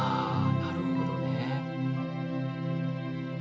なるほどね。